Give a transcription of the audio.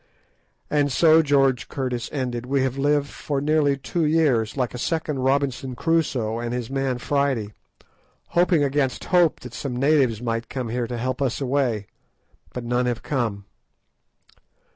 "And so," George Curtis ended, "we have lived for nearly two years, like a second Robinson Crusoe and his man Friday, hoping against hope that some natives might come here to help us away, but none have come.